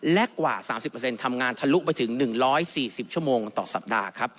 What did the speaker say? และกว่า๓๐ทำงานทะลุไปถึง๑๔๐ชั่วโมงต่อสัปดาห์ครับ